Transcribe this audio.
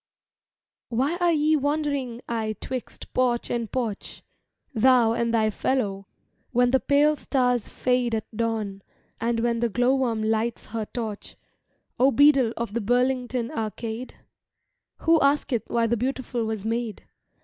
WHY are ye wandering aye 'twixt porch and porch, Thou and thy fellow—when the pale stars fade At dawn, and when the glowworm lights her torch, O Beadle of the Burlington Arcade? —Who asketh why the Beautiful was made?